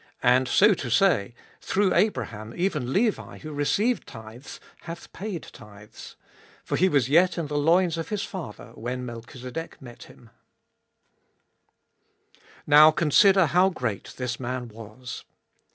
9. And, so to say, through Abraham even Levi, who received tithes hath paid tithes ; 10. For he was yet in the loins of his father, when Melchizedek met hi™ Now consider how great this man was.